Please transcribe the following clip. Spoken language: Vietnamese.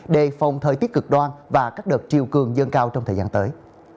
đề phòng thời tiết cực đoan và các đợt triều cường dân cao trong thời gian tới